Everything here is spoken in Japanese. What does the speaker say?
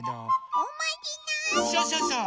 そうそうそう！